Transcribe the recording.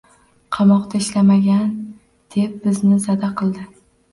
Qamoqda ishlaganman, deb bizni zada qildi